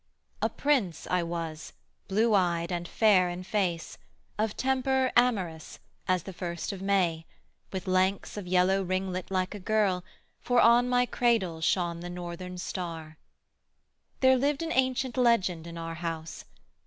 I A prince I was, blue eyed, and fair in face, Of temper amorous, as the first of May, With lengths of yellow ringlet, like a girl, For on my cradle shone the Northern star. There lived an ancient legend in our house.